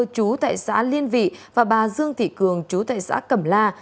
chú tại xã liên vị và bà dương thị cường chú tại xã cẩm la